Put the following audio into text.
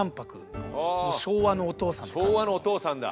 昭和のお父さんだ。